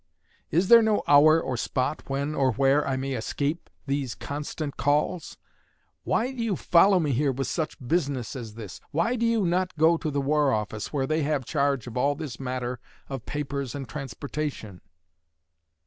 Is there no hour or spot when or where I may escape these constant calls? Why do you follow me here with such business as this? Why do you not go to the War office, where they have charge of all this matter of papers and transportation?"